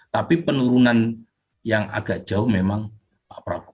tapi penurunan yang agak jauh memang pak prabowo